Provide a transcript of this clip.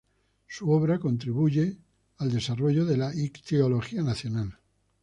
Su obra, contribuye al desarrollo de la Ictiología Nacional.